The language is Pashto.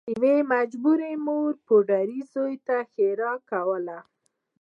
یوې مجبورې مور پوډري زوی ته ښیرا کوله